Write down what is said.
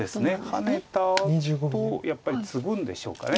ハネたあとやっぱりツグんでしょうか。